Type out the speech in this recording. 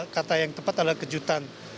kata yang tepat adalah kejutan